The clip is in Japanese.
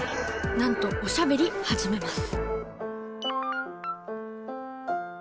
なんとおしゃべりはじめます